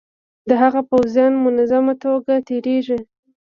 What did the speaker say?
د هغه پوځیان منظمه توګه تیریږي.